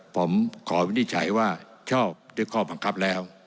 ผมขอวินิจฉัยว่าชอบด้วยข้อบังคับแล้ว